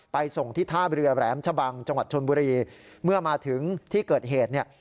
ส่งที่ท่าเรือแหลมชะบังจังหวัดชนบุรีเมื่อมาถึงที่เกิดเหตุเนี่ย